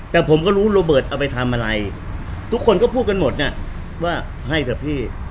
แต่ผมก็รู้โรเบิร์ตเอาไปทำอะไรทุกคนก็พูดกันหมดน่ะว่าให้เถอะพี่